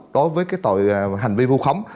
đối với cái tội hành vi vô khống